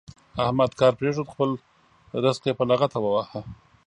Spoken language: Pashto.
احمد کار پرېښود؛ خپل زرق يې په لغته وواهه.